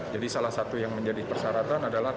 jadi salah satu yang menjadi persyaratan adalah